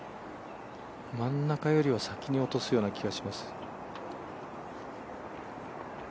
真ん中よりは先に落とすような気がします。